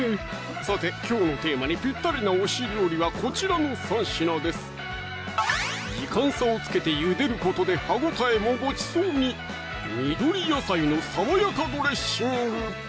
さてきょうのテーマにぴったりな推し料理はこちらの３品です時間差をつけてゆでることで歯応えもごちそうに緑！